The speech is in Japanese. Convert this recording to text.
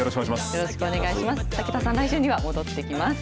よろしくお願いします。